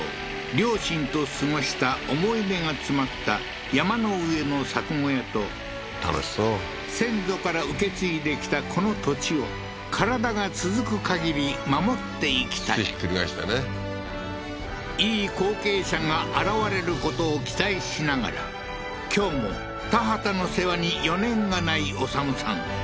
両親と過ごした思い出が詰まった山の上の作小屋と先祖から受け継いできたこの土地を体が続くかぎり守っていきたいいい後継者が現れることを期待しながら今日も田畑の世話に余念がない修さん